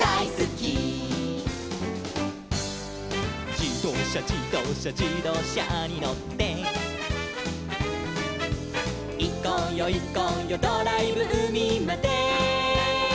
「じどうしゃじどうしゃじどうしゃにのって」「いこうよいこうよドライブうみまで」